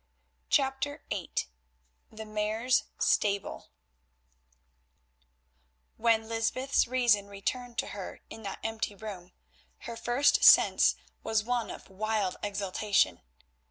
CHAPTER VIII THE MARE'S STABLE When Lysbeth's reason returned to her in that empty room, her first sense was one of wild exultation.